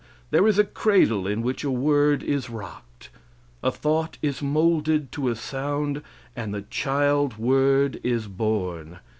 There is a cradle in which a word is rocked. A thought is molded to a sound, and the child word is born.